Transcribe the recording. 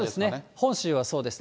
本州はそうですね。